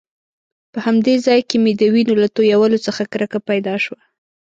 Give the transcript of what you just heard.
په همدې ځای کې مې د وینو له تويولو څخه کرکه پیدا شوه.